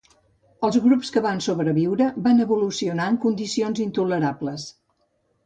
Els grups que van sobreviure van evolucionar en condicions intolerables.